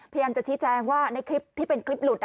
พยายามจะชี้แจงว่าในคลิปที่เป็นคลิปหลุด